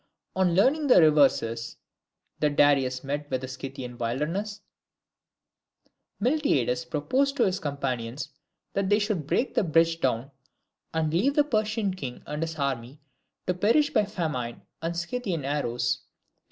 On learning the reverses that Darius met with in the Scythian wilderness, Miltiades proposed to his companions that they should break the bridge down, and leave the Persian king and his army to perish by famine and the Scythian arrows.